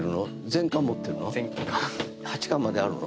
全巻８巻まであるの？